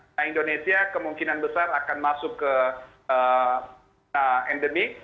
nah indonesia kemungkinan besar akan masuk ke endemik